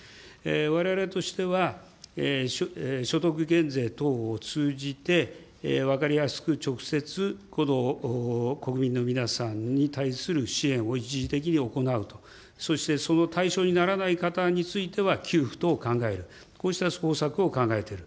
われわれとしては、所得減税等を通じて、分かりやすく直接、国民の皆さんに対する支援を一時的に行うと、そしてその対象にならない方については給付等を考える、こうした方策を考えている。